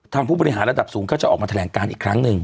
ผู้บริหารระดับสูงก็จะออกมาแถลงการอีกครั้งหนึ่ง